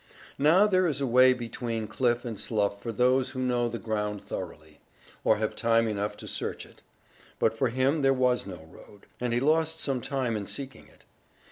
Now there is a way between cliff and slough for those who know the ground thoroughly, or have time enough to search it; but for him there was no road, and he lost some time in seeking it.